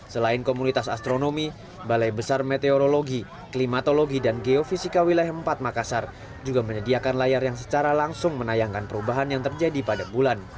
selain komunitas astronomi balai besar meteorologi klimatologi dan geofisika wilayah empat makassar juga menyediakan layar yang secara langsung menayangkan perubahan yang terjadi pada bulan